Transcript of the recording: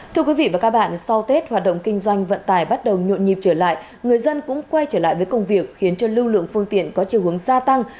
thưa quý vị và các bạn sau tết hoạt động kinh doanh vận tài bắt đầu nhộn nhịp trở lại người dân cũng quay trở lại với công việc khiến cho lưu lượng phương tiện có chiều hướng gia tăng